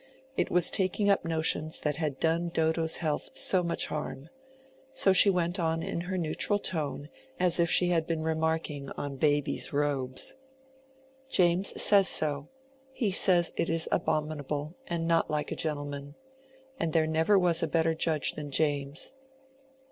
It was taking up notions that had done Dodo's health so much harm. So she went on in her neutral tone, as if she had been remarking on baby's robes. "James says so. He says it is abominable, and not like a gentleman. And there never was a better judge than James.